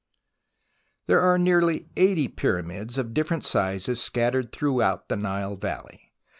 There are nearly eighty Pyramids of different sizes scattered throughout the Nile valley.